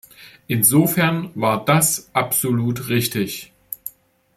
Insofern war das absolut richtig.